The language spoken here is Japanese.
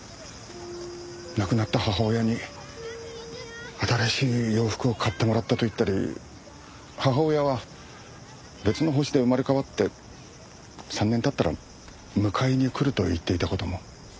亡くなった母親に新しい洋服を買ってもらったと言ったり母親は別の星で生まれ変わって３年経ったら迎えに来ると言っていた事も。